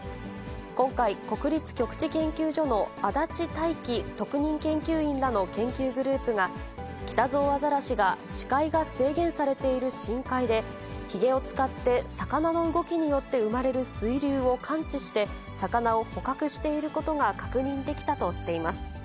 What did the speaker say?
今回、国立極地研究所の安達大輝特任研究員らの研究グループが、キタゾウアザラシが視界が制限されている深海で、ひげを使って魚の動きによって生まれる水流を感知して、魚を捕獲していることが確認できたとしています。